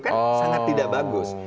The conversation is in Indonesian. kan sangat tidak bagus